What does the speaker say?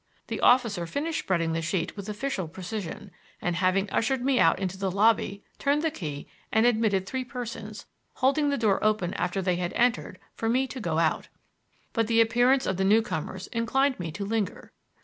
The officer finished spreading the sheet with official precision, and having ushered me out into the lobby turned the key and admitted three persons, holding the door open after they had entered for me to go out. But the appearance of the newcomers inclined me to linger.